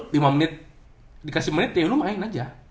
lima menit dikasih menit ya lu main aja